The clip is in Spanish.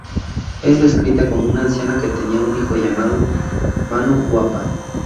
Es descrita como una anciana que tenía un hijo llamado "Mano-uapa".